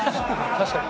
確かに。